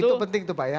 itu penting itu pak ya